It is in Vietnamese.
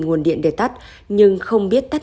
nguồn điện để tắt nhưng không biết tắt